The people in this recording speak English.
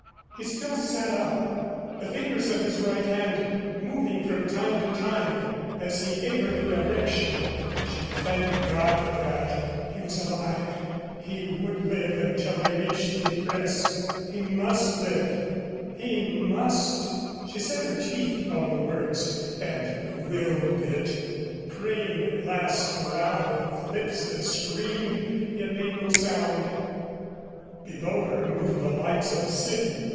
He still sat up, the fingers of his right hand moving from time to time as he gave her the direction. She thanked God for that he was alive he would live until they reached Ypres. He must live. He must. She set her teeth upon the words and willed it, praying at last aloud with lips that screamed yet made no sound. Below her moved the lights of a city.